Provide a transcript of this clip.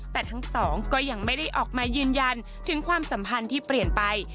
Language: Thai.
แต่ทั้งสองก็ยังไม่ได้ออกมายืนยันถึงความสัมพันธ์ที่เปลี่ยนไป